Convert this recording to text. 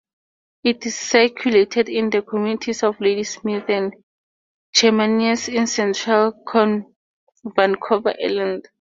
It is circulated in the communities of Ladysmith and Chemainus, in central Vancouver Island.